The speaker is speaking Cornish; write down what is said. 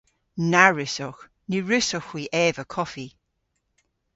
Na wrussowgh. Ny wrussowgh hwi eva koffi.